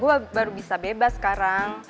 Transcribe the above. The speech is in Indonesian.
wah baru bisa bebas sekarang